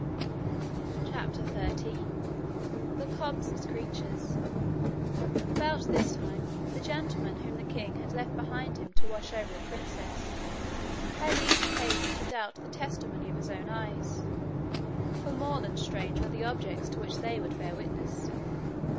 CHAPTER 13 The Cobs' Creatures About this time the gentlemen whom the king had left behind him to watch over the princess had each occasion to doubt the testimony of his own eyes, for more than strange were the objects to which they would bear witness.